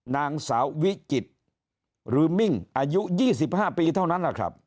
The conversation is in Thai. นางสาววิจิตรหรือมิ่งอายุ๒๕ปีเท่านั้นแหละครับ